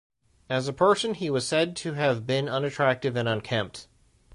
As a person he was said to have been unattractive and unkempt.